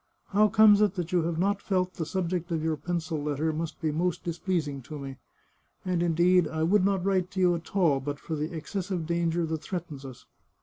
How comes it that you have not felt the subject of your pencil letter must be most displeasing to me? And, indeed, I would not write to you at all but for the excessive danger that threatens us.